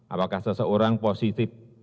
apakah seseorang positif